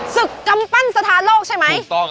สึกกำตั้นสถาโลกใช่ไหมถูกต้อง